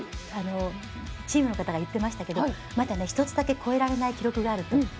チームの方が言ってましたけどまだ１つだけ超えられない記録があると。